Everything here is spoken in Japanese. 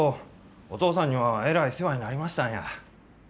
お父さんにはえらい世話になりましたんや。